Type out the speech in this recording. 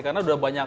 karena udah banyak